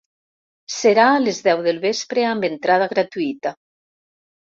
Serà a les deu del vespre, amb entrada gratuïta.